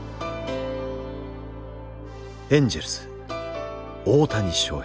エンジェルス大谷翔平。